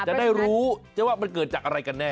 จะได้รู้ว่ามันเกิดจากอะไรกันแน่